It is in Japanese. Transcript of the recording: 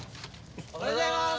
おはようございます。